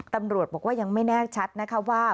ตำรวจบอกว่ายังไม่แน่ชัดนะคะว่า